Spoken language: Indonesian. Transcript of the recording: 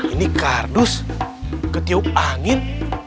ini kardus ketiuk angin